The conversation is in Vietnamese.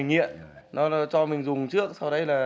nghiện nó cho mình dùng trước